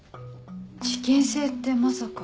事件性ってまさか。